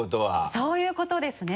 そういうことですね。